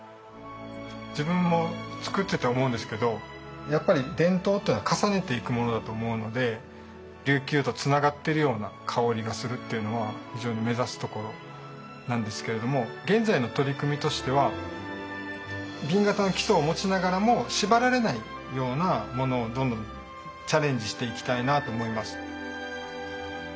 自分も作ってて思うんですけどやっぱり伝統っていうのは重ねていくものだと思うので琉球とつながっているような薫りがするっていうのは非常に目指すところなんですけれども現在の取り組みとしては紅型の基礎を持ちながらも縛られないようなものをどんどんチャレンジしていきたいなと思います。